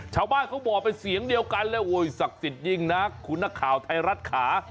ชาวบ้านเขาบอกเป็นเสียงเดียวกันเลยสักสิทธิ์จริงนะคุณหน้าข่าวไทยรัฐขา